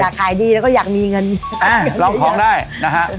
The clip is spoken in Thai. ขายดีแล้วก็อยากมีเงินอ่าลองของได้นะฮะ